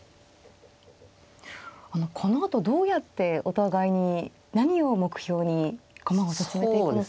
あのこのあとどうやってお互いに何を目標に駒を進めていくのか。